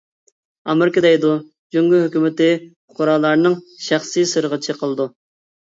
ئامېرىكا دەيدۇ: جۇڭگو ھۆكۈمىتى پۇقرالارنىڭ شەخسىي سىرىغا چېقىلىدۇ.